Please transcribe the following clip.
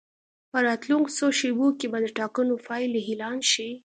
په راتلونکو څو شېبو کې به د ټاکنو پایلې اعلان شي.